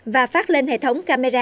và phát lên hệ thống camera